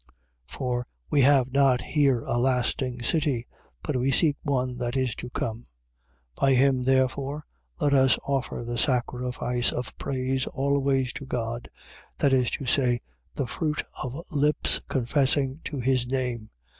For, we have not here a lasting city: but we seek one that is to come. 13:15. By him therefore let us offer the sacrifice of praise always to God, that is to say, the fruit of lips confessing to his name.